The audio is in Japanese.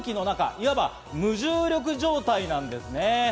いわば無重力状態なんですね。